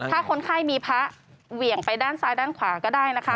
ถ้าคนไข้มีพระเหวี่ยงไปด้านซ้ายด้านขวาก็ได้นะคะ